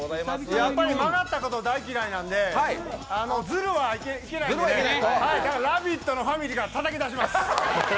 やっぱり曲がったことは大嫌いなんで、ずるはいけないんで「ラヴィット！」のファミリーからたたき出します。